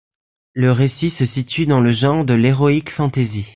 Le récit se situe dans le genre de l'heroic fantasy.